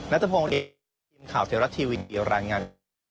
นัทธพงศ์ได้ยินข่าวเทวรัสทีวีรายงาน